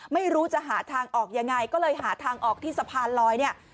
ไม่รู้จะหาทางออกยังไงก็เลยหาทางออกที่สะพานลอยเนี่ย